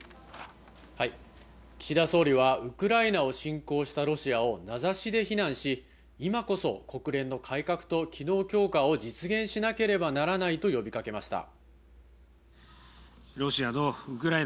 岸田総理はウクライナを侵攻したロシアを名指しで非難し、今こそ国連の改革と機能強化を実現しなければならないと呼びかけました。